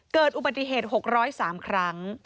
เกิดอุบัติเหตุ๖๐๓ครั้ง